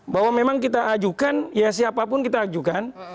bahwa memang kita ajukan ya siapapun kita ajukan